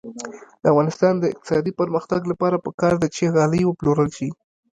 د افغانستان د اقتصادي پرمختګ لپاره پکار ده چې غالۍ وپلورل شي.